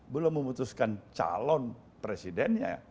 belum memutuskan calon presidennya